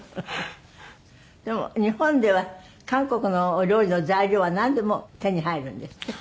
でも日本では韓国のお料理の材料はなんでも手に入るんですって？